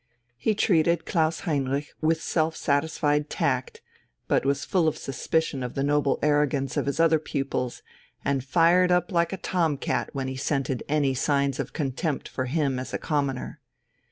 He treated Klaus Heinrich with self satisfied tact, but was full of suspicion of the noble arrogance of his other pupils and fired up like a tom cat when he scented any signs of contempt for him as a commoner.